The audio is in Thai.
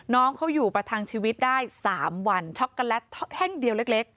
น้องเขาอยู่ประทังชีวิตได้๓วันช็อกโกแลตแท่งเดียวเล็ก